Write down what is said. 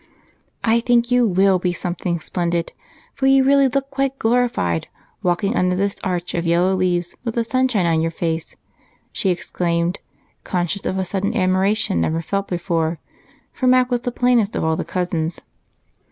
"I think you will be something splendid, for you really look quite glorified, walking under this arch of yellow leaves with the sunshine on your face," she exclaimed, conscious of a sudden admiration never felt before, for Mac was the plainest of all the cousins.